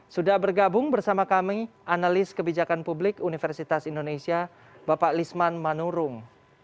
sudah bergabung bersama kami analis kebijakan publik universitas indonesia bapak lisman manurung